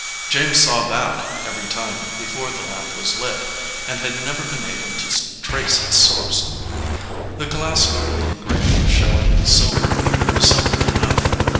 James saw that every night before the lamp was lit, and had never been able to trace its source. The glass over the engraving showing silver was simple enough.